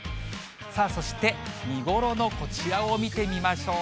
さあ、そして見頃のこちらを見てみましょう。